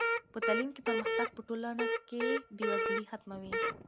په تعلیم کې پرمختګ په ټولنه کې بې وزلي ختموي.